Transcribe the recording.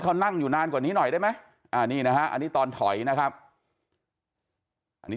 เขานั่งอยู่นานกว่านี้หน่อยได้ไหมอันนี้นะฮะอันนี้ตอนถอยนะครับอันนี้